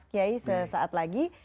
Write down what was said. kiai sesaat lagi